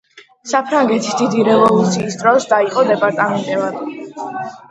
საფრანგეთის დიდი რევოლუციის დროს დაიყო დეპარტამენტებად.